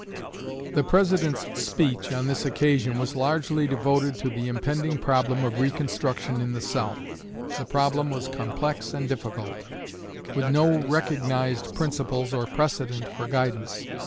The President's speech on this occasion was largely devoted to the impending problem of Reconstruction in the South. The problem was complex and difficult, with no recognized principles or precedent for guidance.